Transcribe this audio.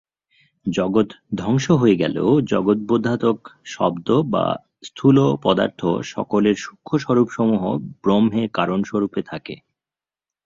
জগৎ ধ্বংস হয়ে গেলেও জগদ্বোধাত্মক শব্দ বা স্থূল পদার্থসকলের সূক্ষ্ম স্বরূপসমূহ ব্রহ্মে কারণরূপে থাকে।